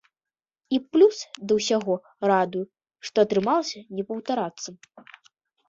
І плюс да ўсяго, радуе, што атрымалася не паўтарацца.